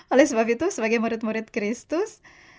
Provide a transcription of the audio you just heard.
oleh sebab itu sebagai murid murid kristus